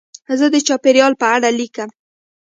زه د چاپېریال په اړه لیکم.